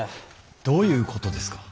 どういうことですか。